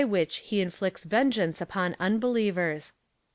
which he inflicts vengeance upon unbelievers."